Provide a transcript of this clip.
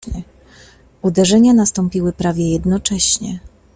"Uderzenia nastąpiły prawie jednocześnie."